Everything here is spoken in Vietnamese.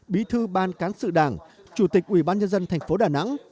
bí thư ban cán sự đảng chủ tịch ủy ban nhân dân tp đà nẵng